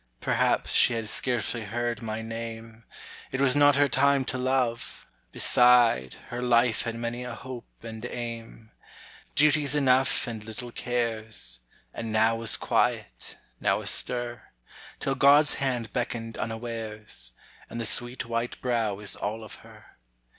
Perhaps she had scarcely heard my name, It was not her time to love; beside, Her life had many a hope and aim, Duties enough and little cares; And now was quiet, now astir, Till God's hand beckoned unawares, And the sweet white brow is all of her.